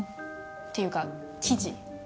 ていうか記事？